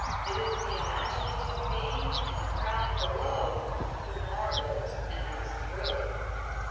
It is the imaginative being in the crowd below who marvels and is thrilled.